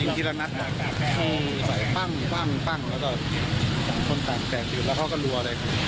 คือถ้าเกิดใครมาขวางก็ยิงหมดเลยหรือว่ากาศยิงทั่วไปหมด